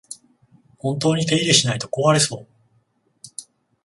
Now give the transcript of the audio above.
本当に手入れしないと壊れそう